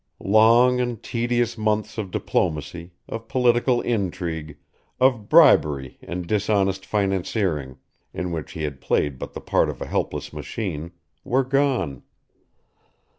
Long and tedious months of diplomacy, of political intrigue, of bribery and dishonest financiering, in which he had played but the part of a helpless machine, were gone.